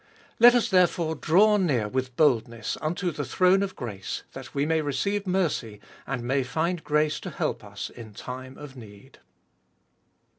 Let us therefore draw near with boldness unto the throne of grace that we may receive mercy, and may find grace to help us in time of need.